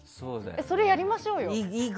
それやりましょうよ。